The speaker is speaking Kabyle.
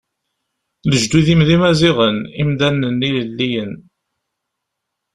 Lejdud-im d Imaziɣen, imdanen-nni ilelliyen.